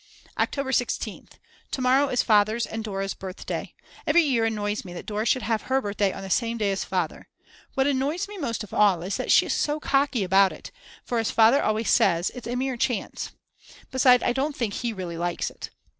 October 16th. To morrow is Father's and Dora's birthday. Every year it annoys me that Dora should have her birthday on the same day as Father; What annoys me most of all is that she is so cocky about it, for, as Father always says, it's a mere chance. Besides, I don't think he really likes it.